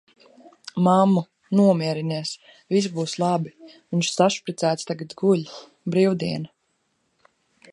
Mammu, nomierinies, viss būs labi, viņš sašpricēts tagad guļ. Brīvdiena.